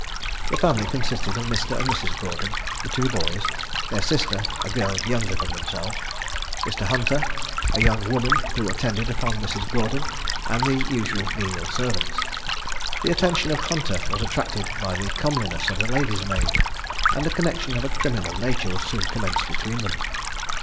The family consisted of Mr. and Mrs. Gordon, the two boys, their sister (a girl younger than themselves), Mr. Hunter, a young woman who attended upon Mrs. Gordon, and the usual menial servants. The attention of Hunter was attracted by the comeliness of the lady's maid, and a connexion of a criminal nature was soon commenced between them.